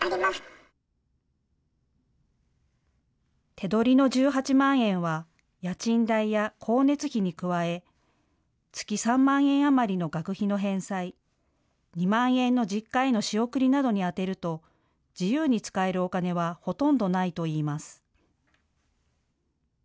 手取りの１８万円は家賃代や光熱費に加え月３万円余りの学費の返済、２万円の実家への仕送りなどに充てると自由に使えるお金はほとんどないといいます。